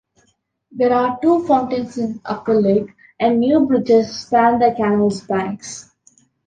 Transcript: There are two fountains in Upper Lake, and new bridges span the canal's banks.